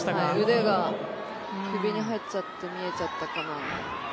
腕が首に入ったように見えちゃったかな。